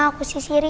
buat nailah dan intan